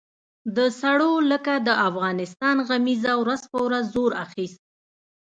د سړو لکه د افغانستان غمیزه ورځ په ورځ زور اخیست.